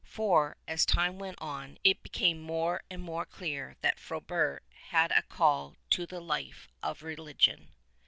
For, as time went on, it became more and more clear that Fro bert had a call to the life of religion.